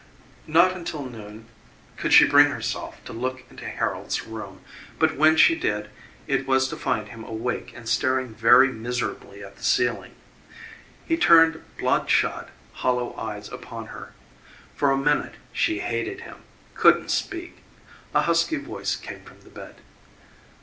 Not until noon could she bring herself to look into Harold's room, but when she did it was to find him awake and staring very miserably at the ceiling. He turned blood shot hollow eyes upon her. For a minute she hated him, couldn't speak. A husky voice came from the bed.